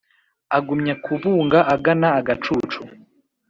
agumya kubunga agana agacucu